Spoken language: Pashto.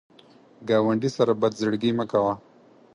ګاونډي سره بد زړګي مه کوه